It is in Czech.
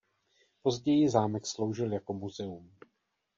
Později zámek sloužil jako muzeum.